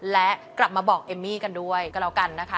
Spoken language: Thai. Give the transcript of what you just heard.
และกลับมาบอกเอมมี่กันด้วยก็แล้วกันนะคะ